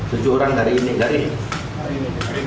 tujuh orang hari ini